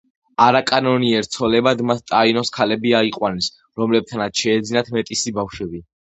არაკანონიერ ცოლებად მათ ტაინოს ქალები აიყვანეს, რომლებთანაც შეეძინათ მეტისი ბავშვები.